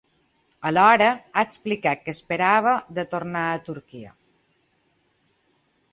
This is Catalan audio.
Alhora, ha explicat que esperava de tornar a Turquia.